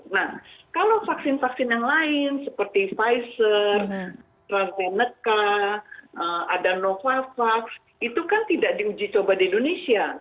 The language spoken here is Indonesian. nah kalau vaksin vaksin yang lain seperti pfizer astrazeneca ada novavax itu kan tidak diuji coba di indonesia